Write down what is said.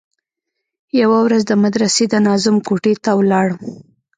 يوه ورځ د مدرسې د ناظم کوټې ته ولاړم.